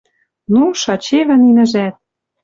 Ну, шачевӹ нинӹжӓт.